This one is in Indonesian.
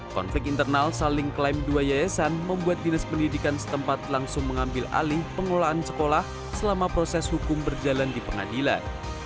konflik internal saling klaim dua yayasan membuat dinas pendidikan setempat langsung mengambil alih pengelolaan sekolah selama proses hukum berjalan di pengadilan